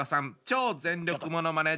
超全力ものまね